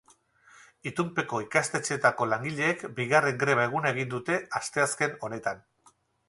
Itunpeko ikastetxeetako langileek bigarren greba eguna egin dute asteazken honetan.